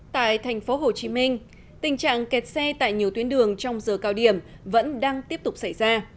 tại thành phố hồ chí minh tình trạng kẹt xe tại nhiều tuyến đường trong giờ cao điểm vẫn đang tiếp tục xảy ra